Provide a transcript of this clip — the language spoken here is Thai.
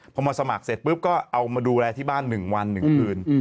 พอมาสมัครเสร็จปุ๊บก็เอามาดูแลที่บ้าน๑วัน๑คืน